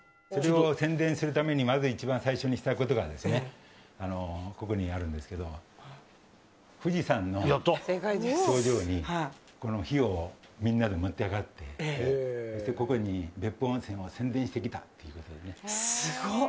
宣伝するためにまず一番最初にしたことがここにあるんですけど富士山の頂上に碑をみんなで持って上がってここに別府温泉を宣伝してきた。